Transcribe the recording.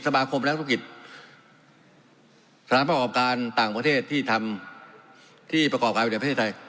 สมาคมนักธุรกิจต่างประเทศที่ทำที่ประกอบให้ว่าประเทศไทย